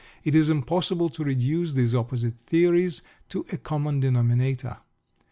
It is impossible to reduce these opposite theories to a common denominator.